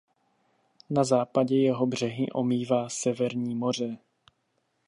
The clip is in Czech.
Na západě jeho břehy omývá Severní moře.